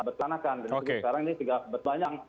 perpanahkan dan sekarang ini juga banyak